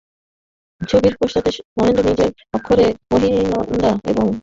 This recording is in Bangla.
ছবির পশ্চাতে মহেন্দ্র নিজের অক্ষরে মহিনদা এবং আশা স্বহস্তে আশা এই নামটুকু লিখিয়া দিয়াছিল।